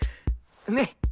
ねっ！